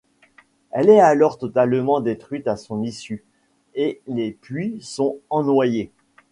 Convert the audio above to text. Elle est alors totalement détruite à son issue, et les puits sont ennoyés.